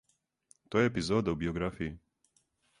Та је епизода у биографији